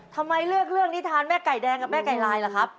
ทำไมเลือกเรื่องนิทานแม่ไก่แดงกับแม่ไก่ลายล่ะครับ